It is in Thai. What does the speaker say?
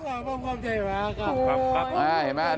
คุณสอบใจว่าครับ